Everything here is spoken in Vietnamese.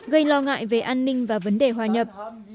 gây lo ngại về an ninh và vấn đề hòa nhập